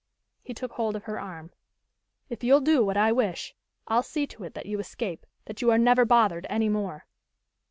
He took hold of her arm. "If you'll do what I wish, I'll see to it that you escape that you are never bothered any more."